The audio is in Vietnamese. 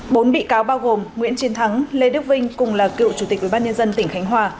bốn bị cáo bao gồm nguyễn chiến thắng lê đức vinh cùng là cựu chủ tịch ủy ban nhân dân tỉnh khánh hòa